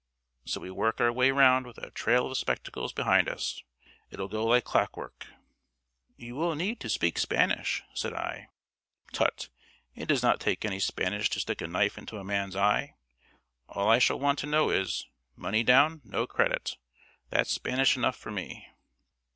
So we work our way round with a trail of spectacles behind us. It'll go like clock work." "You will need to speak Spanish," said I. "Tut, it does not take any Spanish to stick a knife into a man's eye. All I shall want to know is, 'Money down no credit.' That's Spanish enough for me."